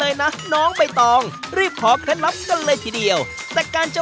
เลยนะน้องใบตองรีบขอเคล็ดลับกันเลยทีเดียวแต่การจะ